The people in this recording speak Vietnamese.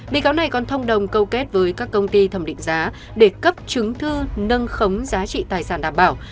bị cáo này còn thông đồng câu kết với các công ty thẩm định giá để cấp chứng thư nâng khống giá trị tài sản đảm bảo